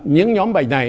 những nhóm bệnh này